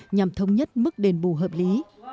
nhằm thống nhất mức đền bù hợp lý